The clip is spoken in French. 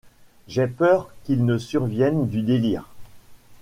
J’ai peur qu’il ne survienne du délire.